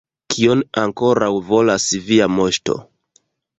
Kion ankoraŭ volas via moŝto?